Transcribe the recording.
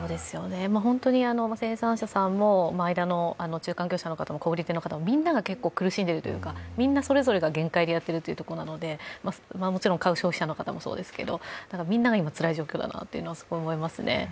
本当に生産者さんも間の中間業者の方も、小売業の方もみんなが結構苦しんでいるというか、それぞれが限界でやっているのでもちろん買う消費者の方もそうですけど、みんなが今、つらい状況だなとすごい思いますね。